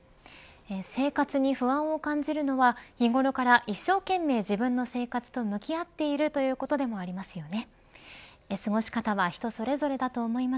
生活に不安を感じるのは日頃から一生懸命自分の生活と向き合っているということでもありますよね。